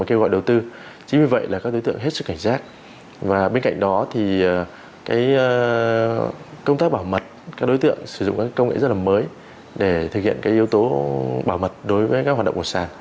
chỉ vì vậy là các đối tượng hết sức cảnh giác và bên cạnh đó thì công tác bảo mật các đối tượng sử dụng các công nghệ rất là mới để thực hiện cái yếu tố bảo mật đối với các hoạt động của sàn